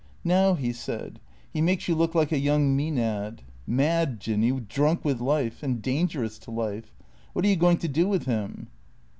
" Now," he said, " he makes you look like a young Maenad ; mad, Jinny, drunk with life, and dangerous to life. What are you going to do with him